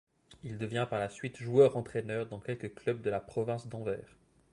Il devient par la suite joueur-entraîneur dans quelques clubs de la Province d'Anvers.